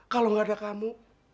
kalau nggak ada kamu